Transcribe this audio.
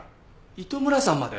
糸村さんまで？